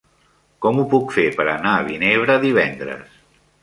Com ho puc fer per anar a Vinebre divendres?